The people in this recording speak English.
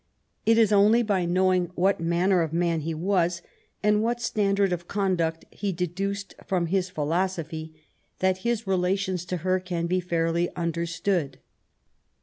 It is only by knowing what manner of man he was^ and what standard of conduct he deduced from hi» philosophy, that bis relations to her can be fairly understood.